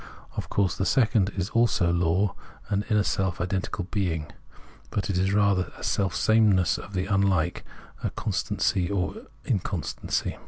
Of course the second is also a law, an inner self identical bemg ; but it is rather a selfsameness of the unlike, a constancy of inconstancy.